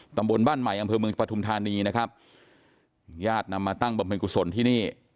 ตำบลบ้านใหม่อำเภอเมืองปฐุมธานีนะครับญาตินำมาตั้งบำเพ็ญกุศลที่นี่